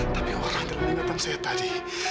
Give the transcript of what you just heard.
tapi orang diingatan saya tadi